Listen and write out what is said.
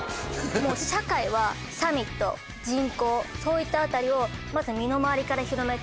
もう社会はサミット人口そういった辺りをまず身の回りから広めていって。